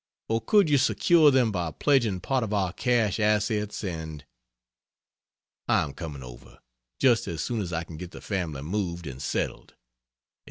Or could you secure them by pledging part of our cash assets and I am coming over, just as soon as I can get the family moved and settled.